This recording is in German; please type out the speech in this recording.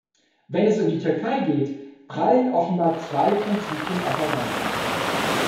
Wenn es um die Türkei geht, prallen offenbar zwei Prinzipien aufeinander.